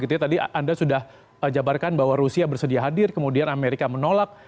tadi anda sudah jabarkan bahwa rusia bersedia hadir kemudian amerika menolak